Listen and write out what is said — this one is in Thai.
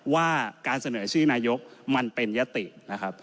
ว่าการเสนอชื่อนายกมันเป็นยตินะครับ